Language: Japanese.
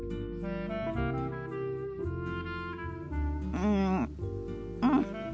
うんうん。